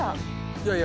いやいや。